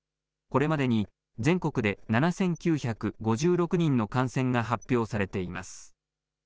これまでに全国で７９５６人の感染が発表されています。